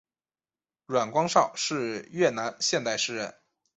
阮光韶是越南现代诗人。